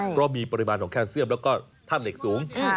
เพราะมีปริมาณของแคนเซียมแล้วก็ท่าเหล็กสูง